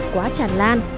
quá chản lan